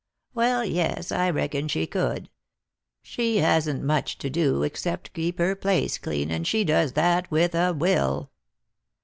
" Well, yes, I reckon she could. She hasn't much to do except keep her place clean, and she does that with a will."